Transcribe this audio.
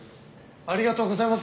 ありがとうございます！